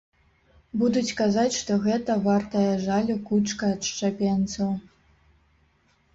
Будуць казаць, што гэта вартая жалю кучка адшчапенцаў.